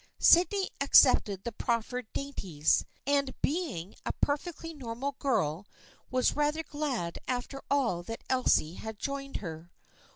Sydney accepted the proffered dainties, and be ing a perfectly normal girl, was rather glad after all that Elsie had joined her.